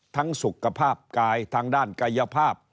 สุขภาพกายทางด้านกายภาพ